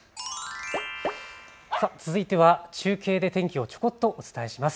続いては中継で天気をちょこっとお伝えします。